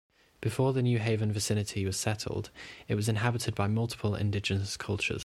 Before the New Haven vicinity was settled, it was inhabited by multiple indigenous cultures.